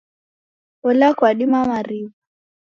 Ola kwadia mari'wa.